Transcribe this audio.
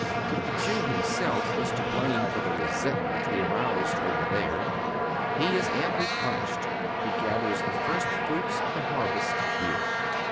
If the Jew himself was to blame for the resentment he aroused over there, he is amply punished. He gathers the first fruits of the har vest here.